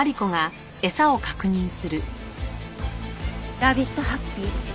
ラビットハッピー。